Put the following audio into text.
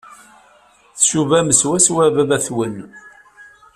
Tcubam swaswa baba-twen.